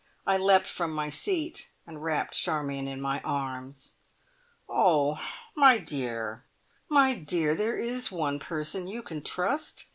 I leapt from my seat and wrapped Charmion in my arms. "Oh, my dear, my dear, there is one person you can trust!